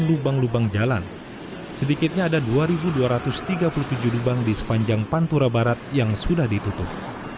lubang lubang jalan sedikitnya ada dua dua ratus tiga puluh tujuh lubang di sepanjang pantura barat yang sudah ditutup